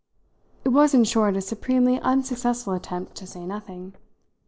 It was in short a supremely unsuccessful attempt to say nothing.